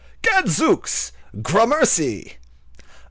Gadzooks, gramercy."